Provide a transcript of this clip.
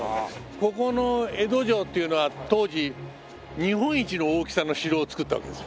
ここの江戸城っていうのは当時日本一の大きさの城を造ったわけですよ。